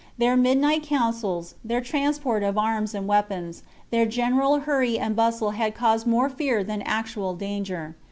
Their midnight councils, their transport of arms and weapons, their general hurry and bustle had ^, caused more fear than actual danger.